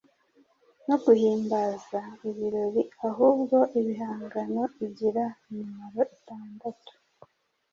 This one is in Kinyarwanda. no guhimbaza ibirori ahubwo ibihangano bigira imimaro itandatu